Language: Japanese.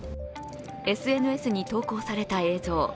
ＳＮＳに投稿された映像。